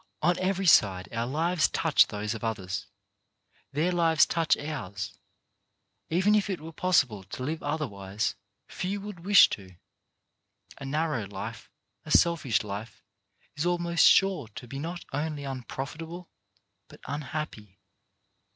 On every side our lives touch those of others; their lives touch ours. Even if it were possible to live otherwise, few would wish to. A narrow life, a selfish life, is almost sure to be not only un profitable but unhappy.